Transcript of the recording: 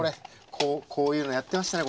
こういうのやってましたね